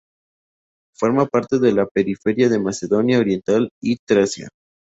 Forma parte de la periferia de Macedonia Oriental y Tracia.